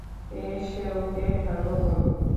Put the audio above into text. এসে ওকে হ্যালো বলো।